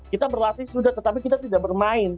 kita berlatih sudah tetapi kita tidak bermain